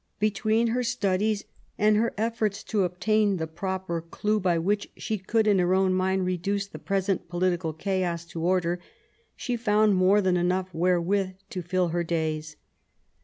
Between her studies and her efforts to obtain the proper clue by which she could in her own mind reduce the present political chaos to order, she found more than enough wherewith to fill her days.